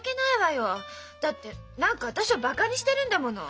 だって何か私をバカにしてるんだもの。